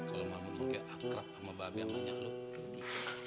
kalau mahmud pakai akrab sama babi akan nyari lo